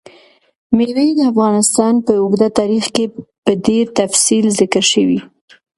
مېوې د افغانستان په اوږده تاریخ کې په ډېر تفصیل ذکر شوي.